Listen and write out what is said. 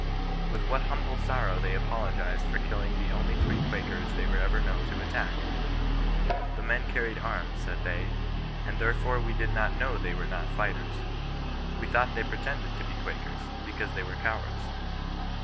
With what humble sorrow they apologized for killing the only three Quakers they were ever known to attack !' The men carried arms,' said they, ' and there fore we did not Tcuww they were not fighters. We thought they pretended to be Qualcers, because they were cowaras.'